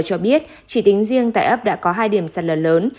cho biết chỉ tính riêng tại ấp đã có hai điểm sạt lở lớn